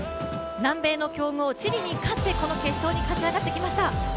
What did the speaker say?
南米の強豪・チリに勝ってこの決勝に勝ち上がってきました。